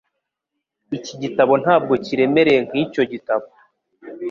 Iki gitabo ntabwo kiremereye nkicyo gitabo